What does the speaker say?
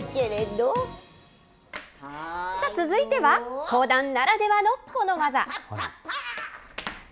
続いては、講談ならではのこの技。